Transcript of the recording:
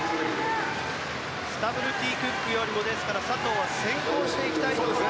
スタブルティ・クックより佐藤は先行していきたいところ。